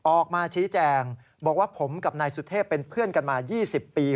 ออกมาชี้แจงบอกว่าผมกับนายสุเทพเป็นเพื่อนกันมา๒๐ปี